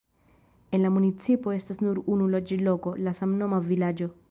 En la municipo estas nur unu loĝloko, la samnoma vilaĝo.